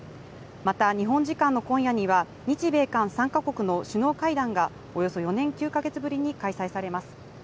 また、日本時間の今夜には、日米韓３か国の首脳会談が、およそ４年９か月ぶりに開催されます。